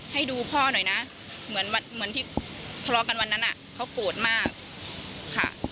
ให้ดูพ่อหน่อยนะเหมือนที่ทะเลาะกันวันนั้นเขาโกรธมากค่ะ